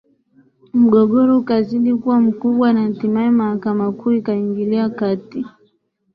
Mgogoro ukazidi kuwa mkubwa na hatimaye Mahakama Kuu ikaingilia kati